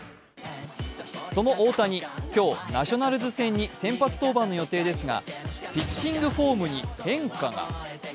その大谷、今日はナショナルズ戦に先発登板の予定ですがピッチングフォームに変化が。